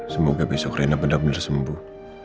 semoga besok rina benar benar sembuh